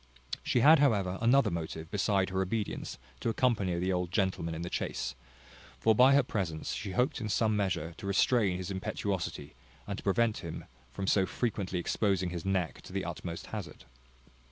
She had however another motive, beside her obedience, to accompany the old gentleman in the chase; for by her presence she hoped in some measure to restrain his impetuosity, and to prevent him from so frequently exposing his neck to the utmost hazard.